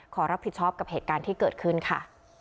ขอรับผิดชอบกับเหตุการณ์ที่เกิดขึ้นค่ะ